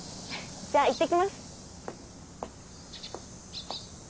じゃあいってきます。